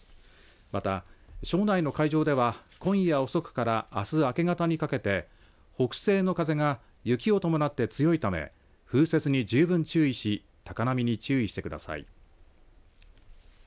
また庄内の海上では今夜遅くからあす明け方にかけて北西の風が雪を伴って強いため風雪に十分注意し高波に注意してください。